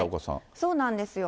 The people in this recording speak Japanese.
そうなんですよ。